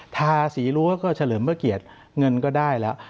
ทาสีรั้วก็เฉลิมพระเกียรติเงินก็ได้แล้ว